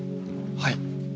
はい。